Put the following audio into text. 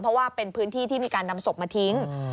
เพราะว่าเป็นพื้นที่ที่มีการนำศพมาทิ้ง